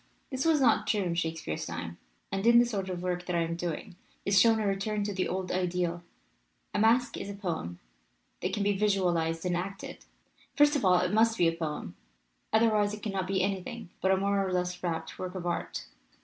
"This was not true in Shakespeare's time. And in the sort of work that I am doing is shown a return to the old ideal. A masque is a poem that can be visualized and acted. First of all it must be a poem, otherwise it cannot be anything but a more or less warped work of art.